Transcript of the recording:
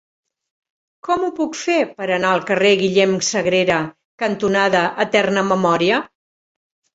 Com ho puc fer per anar al carrer Guillem Sagrera cantonada Eterna Memòria?